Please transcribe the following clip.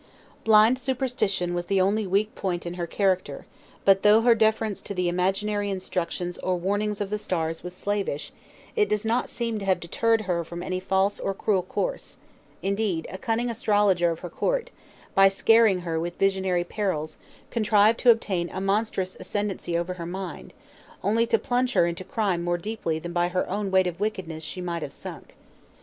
Blind superstition was the only weak point in her character; but though her deference to the imaginary instructions or warnings of the stars was slavish, it does not seem to have deterred her from any false or cruel course; indeed, a cunning astrologer of her court, by scaring her with visionary perils, contrived to obtain a monstrous ascendency over her mind, only to plunge her into crime more deeply than by her own weight of wickedness she might have sunk.